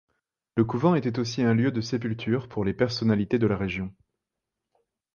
Le couvent était aussi un lieu de sépulture pour les personnalités de la région.